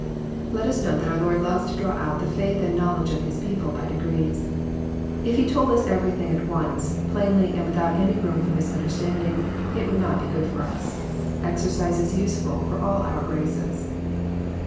Let us note that our Lord loves to draw out the fkith and knowl edge of His people by degrees. If He told us everything at once, plainly, and without any room for misunderstanding, it would not be good for us. Exercise is use^hlfor all our graces.